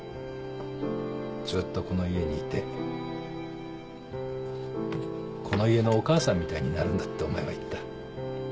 ずっとこの家にいてこの家のお母さんみたいになるんだってお前は言った。